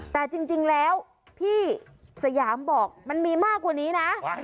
แต่จริงแล้วพี่สยามบอกมันมีมากกว่านี้นะ